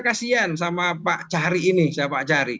kasian sama pak cahri ini